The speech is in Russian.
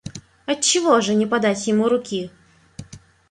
Отчего же не подать ему руки?